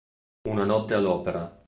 Una notte all'Opera".